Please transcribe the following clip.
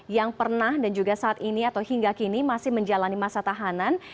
yang pernah dan juga saat ini atau hingga kini masih menjalani masa tahanan